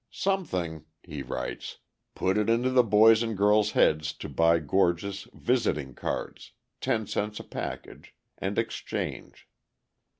"Something," he writes, "put it into the boys' and girls' heads to buy gorgeous visiting cards ten cents a package and exchange.